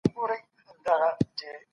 دوی باید په کور کې د خوندیتوب احساس وکړي.